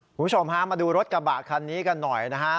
คุณผู้ชมฮะมาดูรถกระบะคันนี้กันหน่อยนะฮะ